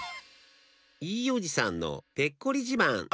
いいおじさんのペッコリじまん。